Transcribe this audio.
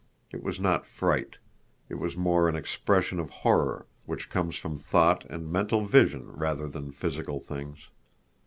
It was not fright. It was more an expression of horror which comes from thought and mental vision rather than physical things.